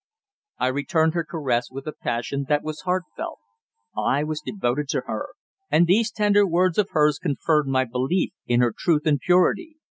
I returned her caress with a passion that was heartfelt. I was devoted to her, and these tender words of hers confirmed my belief in her truth and purity.